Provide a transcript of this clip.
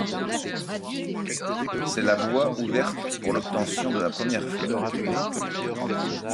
C'est la voie ouverte pour l'obtention de la première fleur.